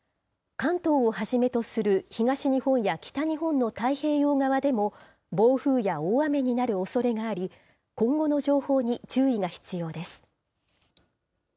関東をはじめとする東日本や北日本の太平洋側でも、暴風や大雨になるおそれがあり、今後の情報に注意が必要です。